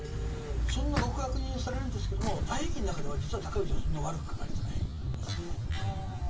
そんな極悪人にされるんですけども「太平記」の中では実は尊氏はそんな悪く書かれてないですね。